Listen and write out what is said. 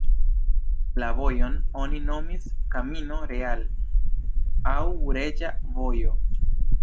La vojon oni nomis "Camino Real" aŭ Reĝa Vojo.